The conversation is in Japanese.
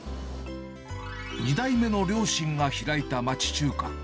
２代目の両親が開いた町中華。